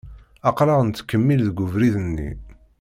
Aqlaɣ nettkemmil deg ubrid-nni.